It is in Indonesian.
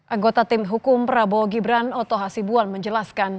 anggota tim hukum prabowo gibran oto hasibuan menjelaskan